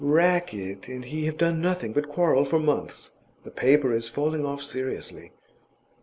'Rackett and he have done nothing but quarrel for months; the paper is falling off seriously.